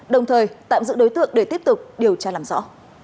đồng thời tạm giữ đối tượng để tiếp tục điều tra làm rõ